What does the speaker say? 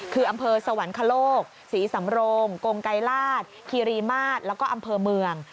คืออำเภอสวรรคโลกศรีสำโรงกงไกรราชคีรีมาศแล้วก็อำเภอเมือง